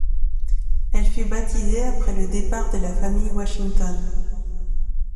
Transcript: Elle fut baptisée après le départ de la famille Washington.